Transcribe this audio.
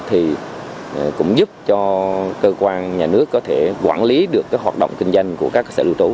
thì cũng giúp cho cơ quan nhà nước có thể quản lý được hoạt động kinh doanh của các cơ sở lưu trú